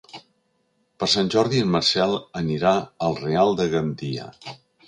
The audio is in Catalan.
Per Sant Jordi en Marcel anirà al Real de Gandia.